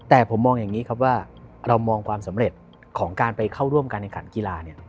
แต่ผมมองอย่างนี้ครับว่าเรามองความสำเร็จของการไปเข้าร่วมการแข่งขันกีฬา